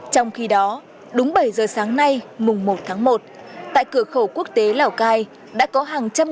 trong khi đó đúng bảy giờ sáng nay mùng một tháng một tại cửa khẩu quốc tế lào cai đã có hàng trăm